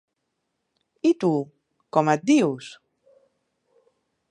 I tu, com et dius?